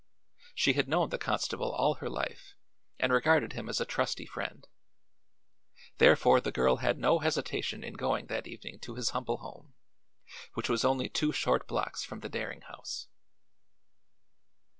She had known the constable all her life and regarded him as a trusty friend; therefore the girl had no hesitation in going that evening to his humble home, which was only two short blocks from the Daring house.